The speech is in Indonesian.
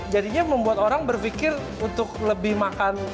jadinya membuat orang berpikir untuk lebih makan